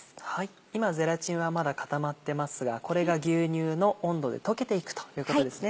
今ゼラチンはまだ固まってますがこれが牛乳の温度で溶けていくということですね。